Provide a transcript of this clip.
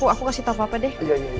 aku kasih tau papa deh